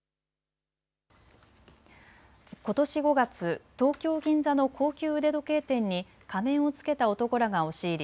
ことし５月、東京銀座の高級腕時計店に仮面を着けた男らが押し入り